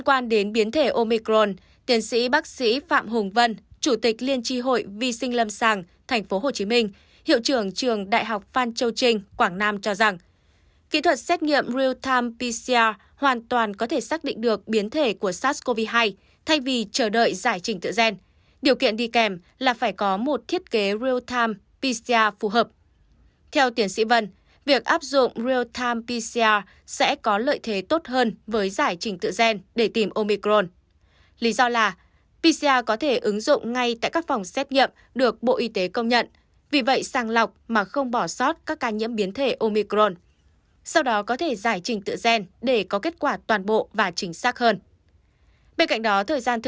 quan đến biến thể omicron tiến sĩ bác sĩ phạm hùng vân chủ tịch liên tri hội vi sinh lâm sàng tp hcm hiệu trưởng trường đại học phan châu trinh quảng nam cho rằng